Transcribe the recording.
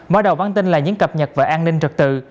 mở đầu bản tin là những cập nhật về an ninh trật tự